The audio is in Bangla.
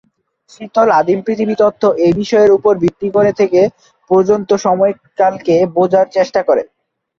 শীতল আদিম পৃথিবী তত্ত্ব এই বিষয়ের উপর ভিত্তি করে থেকে পর্যন্ত সময়কালকে বোঝার চেষ্টা করে।